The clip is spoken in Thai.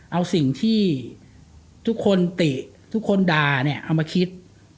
เอาสิ่งที่ทุกคนติทุกคนด่าเนี่ยเอามาคิด